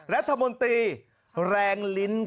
รัฐมนตรีแรงลิ้นครับ